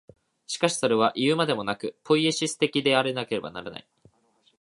しかしそれはいうまでもなく、ポイエシス的でなければならない。